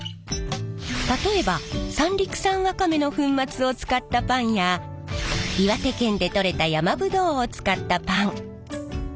例えば三陸産わかめの粉末を使ったパンや岩手県でとれた山ぶどうを使ったパン。